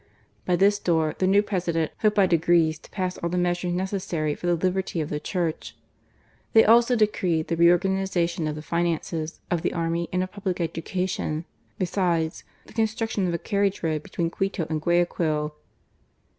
By this door the new President hoped by degrees to pass all the measures necessary for the liberty of the Church. They also decreed the re organization of the Finances, of the Army, and of Public Education ; besides, the construction of a carriage road betw^een Quito and Guayaquil.